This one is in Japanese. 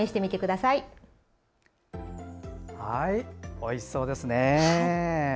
おいしそうですね。